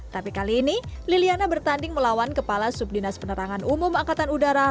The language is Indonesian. tapi kali ini liliana bertanding melawan kepala subdinas penerangan umum angkatan udara